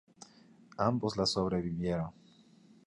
Ambos le sobrevivieron.